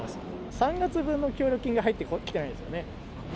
３月分の協力金が入ってきてないんですよね。